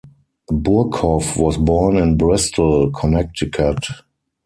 Burghoff was born in Bristol, Connecticut.